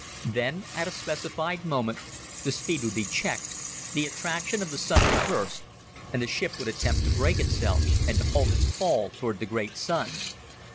Then, at a specified moment, the speed would be checked, the attraction of the Sun reversed, and the ship would attempt to brake itself and to halt its fall toward the great Sun.